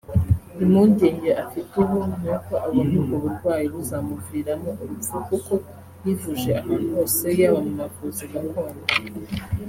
Impungenge afite ubu n’uko abona ubwo burwayi buzamuviramo urupfu kuko yivuje ahantu hose yaba mu bavuzi gakondo